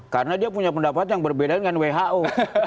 karena dia punya pendapat yang berbeda dengan who